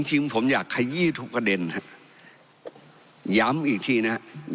จริงผมอยากขยี้ทุกประเด็นครับย้ำอีกทีนะครับ